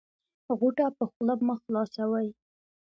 غوټه په خوله مه خلاصوی